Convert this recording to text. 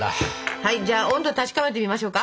はいじゃあ温度確かめてみましょうか。